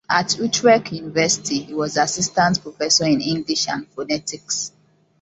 At Utrecht University he was assistant professor in English and Phonetics.